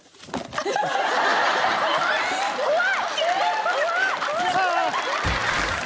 うわ！